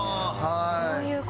はい。